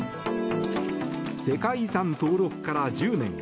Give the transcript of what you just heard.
世界遺産登録から１０年。